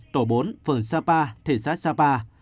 tổ bốn phường sapa thị xã sapa